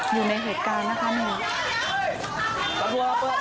อยู่ในเหตุการณ์นะคะนี่